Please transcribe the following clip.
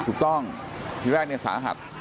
ถูกต้องทีแรกเนี่ยสาหัส